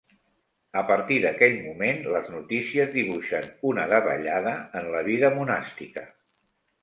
A partir d'aquell moment les notícies dibuixen una davallada en la vida monàstica.